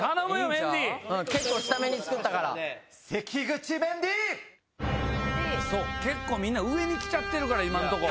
・結構下めに作ったから・結構みんな上に来ちゃってる今のとこ。